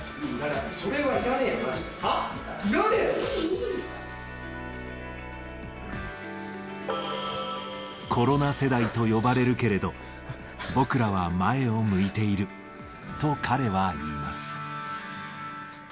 それはいらねえよ、まじ、コロナ世代と呼ばれるけれど、僕らは前を向いていると、彼は言います。